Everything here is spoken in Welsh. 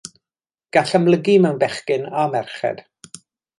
Gall amlygu mewn bechgyn a merched.